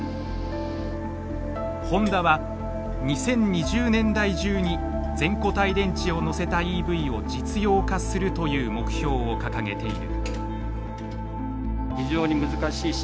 ホンダは「２０２０年代中に全固体電池を載せたＥＶを実用化する」という目標を掲げている。